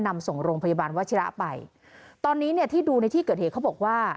นำส่งโรงพยาบาลวัชิระไปตอนนี้เนี่ยที่ดูในที่เกิดเหตุเขาบอกว่า